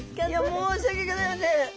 申し訳ギョざいません。